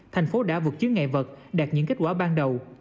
thành phố đã vượt chứng ngại vật đạt những kết quả ban đầu